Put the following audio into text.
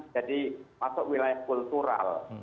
jadi masuk wilayah kultural